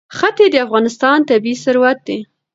ښتې د افغانستان طبعي ثروت دی.